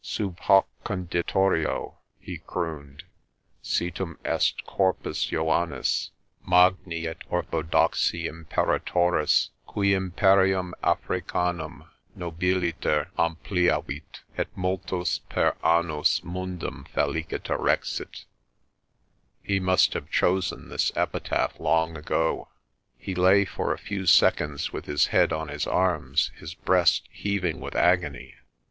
"Sub hoc conditorio" he crooned, "situm est Corpus Joannis, magni et orthodoxi Imperatoris, qul imperium Africanum nobiliter ampliavit) et multos per annos mundum feliciter rexit" * He must have chosen this epitaph long ago. He lay for a few seconds with his head on his arms, his breast heaving with agony.